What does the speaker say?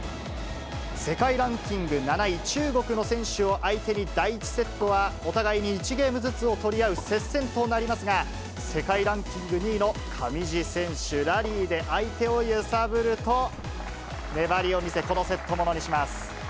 世界ランキング７位、中国の選手を相手に第１セットはお互いに１ゲームずつを取り合う接戦となりますが、世界ランキング２位の上地選手、ラリーで相手を揺さぶると、粘りを見せ、このセット、ものにします。